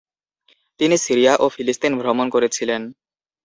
তিনি সিরিয়া ও ফিলিস্তিন ভ্রমণ করেছিলেন।